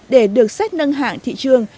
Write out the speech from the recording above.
để được xét nâng hạng thị trường